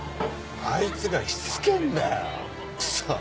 あいつがしつけぇんだよクソ。